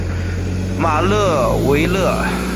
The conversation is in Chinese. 马勒维勒。